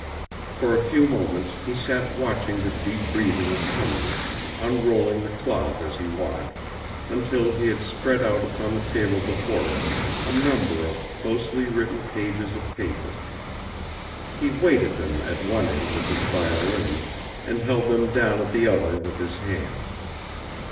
For a few moments he sat watching the deep breathing of Cummins, unrolling the cloth as he watched, until he had spread out upon the table before him a number of closely written pages of paper. He weighted them at one end with his violin, and held them down at the other with his hands.